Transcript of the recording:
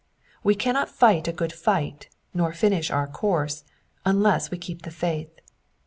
We c^innot fight a good fight, nor finish our course, unless we keep the faith.